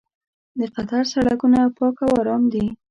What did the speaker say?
د قطر سړکونه پاک او ارام دي.